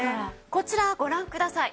こちらご覧ください。